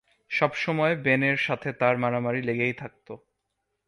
সবসময় বেনের সাথে তার মারামারি লেগেই থাকত।